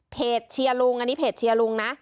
เชียร์ลุงอันนี้เพจเชียร์ลุงนะ